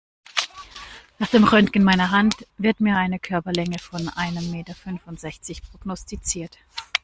Nach dem Röntgen meiner Hand wird mir eine Körperlänge von einem Meter fünfundsechzig prognostiziert.